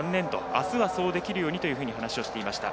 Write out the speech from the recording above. あすは、そうできるようにと話をしていました。